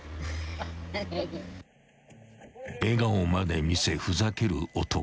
［笑顔まで見せふざける男］